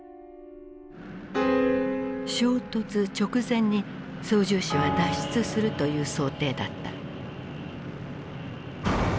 衝突直前に操縦士は脱出するという想定だった。